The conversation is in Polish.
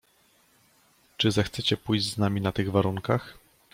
"Czy zechcecie pójść z nami na tych warunkach?"